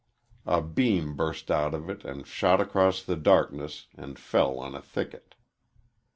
A beam burst out of it and shot across the darkness and fell on a thicket.